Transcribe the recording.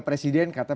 jadi anda juga setuju